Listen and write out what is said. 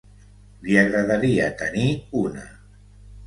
Li agradaria tenir una.